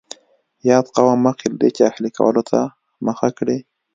یاد قوم مخکې له دې چې اهلي کولو ته مخه کړي.